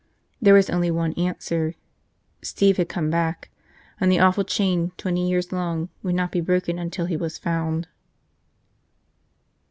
There was only one answer: Steve had come back. And the awful chain twenty years long would not be broken until he was found.